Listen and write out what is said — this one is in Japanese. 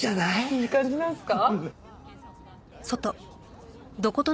いい感じなんすか？